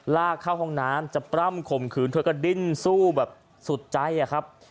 ลากเข้าห้องน้ำจะปล้ำข่มขืนเธอก็ดิ้นสู้แบบสุดใจอะครับ